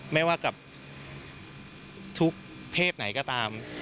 ไม่ว่ากับทุกเพศไหนก็ตาม